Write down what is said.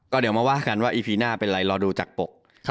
เดี๋ยวมาว่ากันว่าอีพีหน้าเป็นอะไรรอดูจากปก